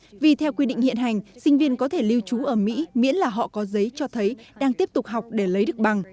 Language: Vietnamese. trong thời gian hiện hành sinh viên có thể lưu trú ở mỹ miễn là họ có giấy cho thấy đang tiếp tục học để lấy được bằng